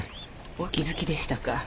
お気づきでしたか？